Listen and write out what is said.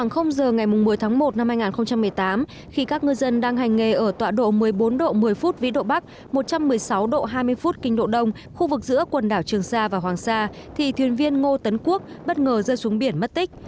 khoảng giờ ngày một mươi tháng một năm hai nghìn một mươi tám khi các ngư dân đang hành nghề ở tọa độ một mươi bốn độ một mươi phút vĩ độ bắc một trăm một mươi sáu độ hai mươi phút kinh độ đông khu vực giữa quần đảo trường sa và hoàng sa thì thuyền viên ngô tấn quốc bất ngờ rơi xuống biển mất tích